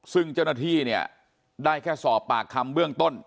ซึ่งเจ้าหน้าที่เนี่ยได้แค่สอบปากคำเบื้องต้น